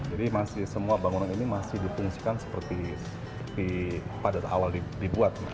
jadi semua bangunan ini masih dipungsikan seperti pada awal dibuat